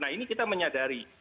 nah ini kita menyadari